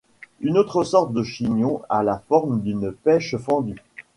Une autre sorte de chignon a la forme d'une pêche fendue.